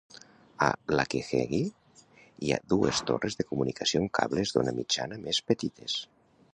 A Lakihegy hi ha dues torres de comunicació amb cables d'ona mitjana més petites.